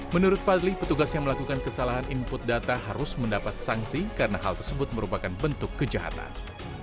menurut fadli petugas yang melakukan kesalahan input data harus mendapat sanksi karena hal tersebut merupakan bentuk kejahatan